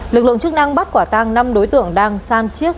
lực lượng chức năng bắt quả tang năm đối tượng đang sang chiếc